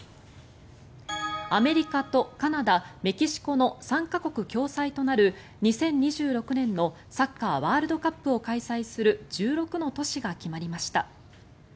アメリカとカナダ、メキシコの３か国共催となる２０２６年のサッカーワールドカップを開催する１６の都市が決まりました。